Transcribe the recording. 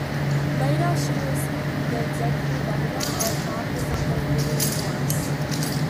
Later she was the executive editor of "Harper's" under Willie Morris.